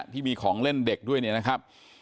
ที่มีของเล่นเด็กด้วยเนี่ยนะครับ